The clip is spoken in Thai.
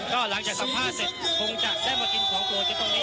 ก็หลังจากสัมภาษณ์เสร็จคงจะได้มากินของโปรดกันตรงนี้